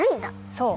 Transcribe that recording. そう。